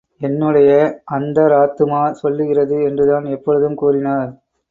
என்னுடைய அந்தராத்துமா சொல்லுகிறது என்றுதான் எப்பொழுதும் கூறினார்.